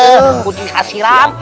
aku dikasih ram